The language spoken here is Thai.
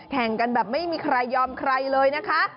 แข่งกันแบบไม่มีใครยอมใครเลยนะคะ